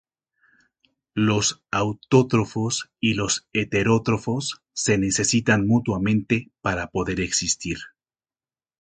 Los autótrofos y los heterótrofos se necesitan mutuamente para poder existir.